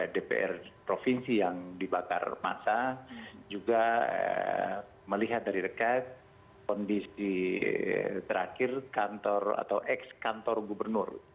dpr provinsi yang dibakar masa juga melihat dari dekat kondisi terakhir kantor atau ex kantor gubernur